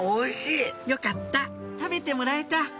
「よかった食べてもらえた」